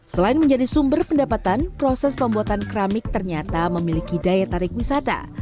selain menjadi sumber pendapatan proses pembuatan keramik ternyata memiliki daya tarik wisata